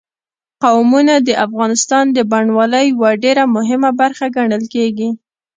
قومونه د افغانستان د بڼوالۍ یوه ډېره مهمه برخه ګڼل کېږي.